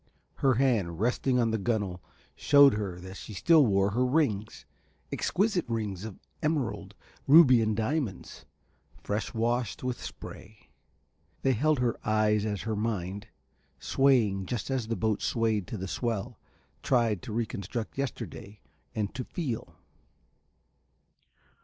Her hand resting on the gunnel shewed her that she still wore her rings, exquisite rings of emerald, ruby and diamonds, fresh washed with spray. They held her eyes as her mind, swaying just as the boat swayed to the swell, tried to re construct yesterday and to feel.